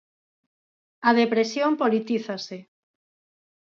A depresión politízase.